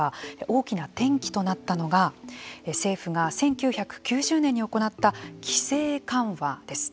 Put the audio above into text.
大きな転機となったのが政府が１９９０年に行った規制緩和です。